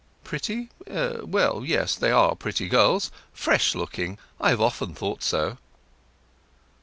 "Pretty? Well, yes—they are pretty girls—fresh looking. I have often thought so."